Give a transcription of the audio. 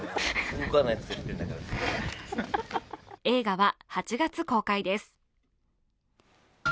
映画は８月公開です。